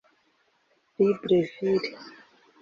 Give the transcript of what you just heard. Libreville